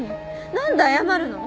何で謝るの？